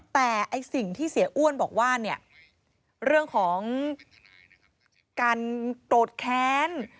แต่ไอ้สิ่งที่เสียอ้วนบอกว่าเนี่ยเรื่องของการโกรธแค้น